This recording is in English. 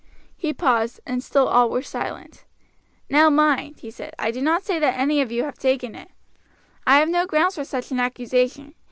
He paused, and still all were silent. "Now mind," he said, "I do not say that any of you have taken it I have no grounds for such an accusation.